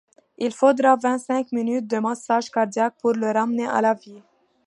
Il faudra vingt-cinq minutes de massage cardiaque pour le ramener à la vie.